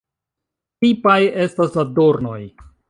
Tipaj estas la dornoj.